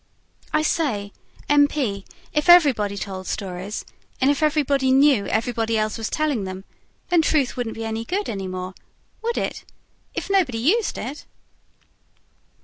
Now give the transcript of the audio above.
"I say, M. P., if everybody told stories, and everybody knew everybody else was telling them, then truth wouldn't be any good any more at all, would it? If nobody used it?"